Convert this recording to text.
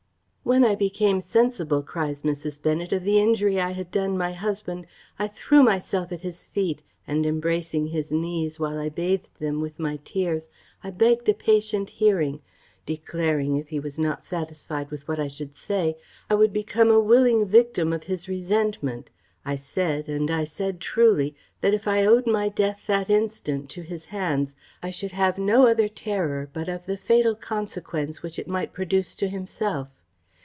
_ "When I became sensible," cries Mrs. Bennet, "of the injury I had done my husband, I threw myself at his feet, and embracing his knees, while I bathed them with my tears, I begged a patient hearing, declaring, if he was not satisfied with what I should say, I would become a willing victim of his resentment, I said, and I said truly, that, if I owed my death that instant to his hands, I should have no other terrour but of the fatal consequence which it might produce to himself.